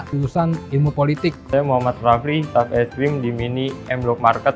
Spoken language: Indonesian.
perusahaan ilmu politik dan muhammad rafi tapi stream di mini mblog market